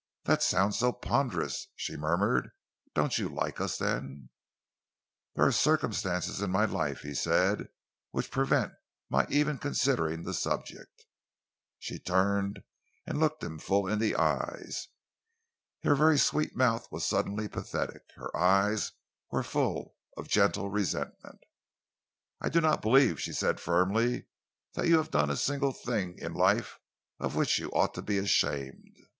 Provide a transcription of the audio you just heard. "That sounds so ponderous," she murmured. "Don't you like us, then?" "There are circumstances in my life," he said, "which prevent my even considering the subject." She turned and looked him full in the eyes. Her very sweet mouth was suddenly pathetic, her eyes were full of gentle resentment. "I do not believe," she said firmly, "that you have done a single thing in life of which you ought to be ashamed.